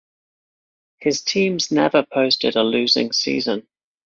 His teams never posted a losing season.